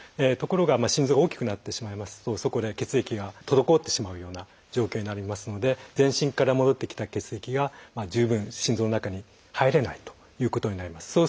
ところが心臓が大きくなってしまいますとそこで血液が滞ってしまうような状況になりますので全身から戻ってきた血液が十分心臓の中に入れないということになります。